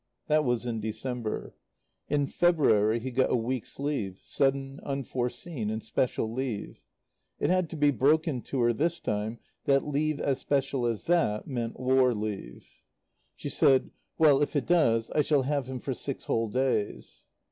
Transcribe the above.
That was in December. In February he got a week's leave sudden, unforeseen and special leave. It had to be broken to her this time that leave as special as that meant war leave. She said, "Well, if it does, I shall have him for six whole days."